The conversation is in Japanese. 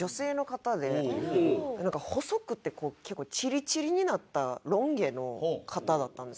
細くて結構チリチリになったロン毛の方だったんですよ。